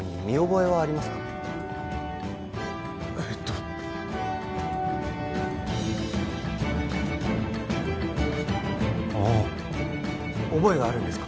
えっとああ覚えがあるんですか？